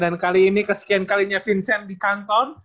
dan kali ini kesekian kalinya vincent di kanton